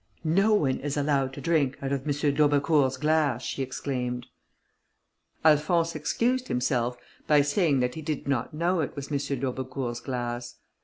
"No one is allowed to drink out of M. d'Aubecourt's glass," she exclaimed: Alphonse excused himself by saying that he did not know it was M. d'Aubecourt's glass.